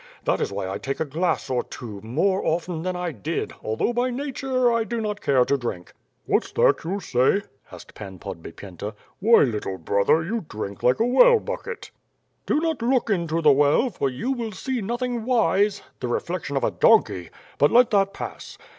That is why I take a glass or two, more cften than I did, although, by nature, I do not care to drink." "What's that you say?" asked Pan Podbipyenta. "Why little brother, you drink like a well bucket." "Do not look into the well, for you will see nothing wise (the reflection of a donkey); but let that pass.